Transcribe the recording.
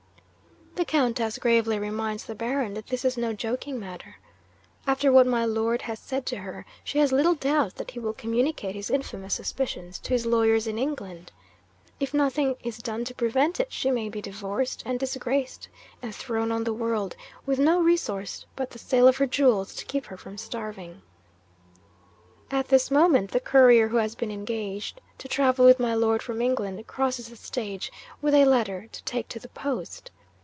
'The Countess gravely reminds the Baron that this is no joking matter. After what my Lord has said to her, she has little doubt that he will communicate his infamous suspicions to his lawyers in England. If nothing is done to prevent it, she may be divorced and disgraced, and thrown on the world, with no resource but the sale of her jewels to keep her from starving. 'At this moment, the Courier who has been engaged to travel with my Lord from England crosses the stage with a letter to take to the post.